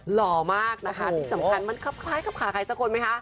หล่อมากนะคะที่สำคัญมันครับคล้ายคับขาใครสักคนไหมคะ